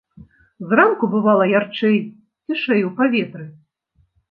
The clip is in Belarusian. Зранку бывала ярчэй, цішэй у паветры.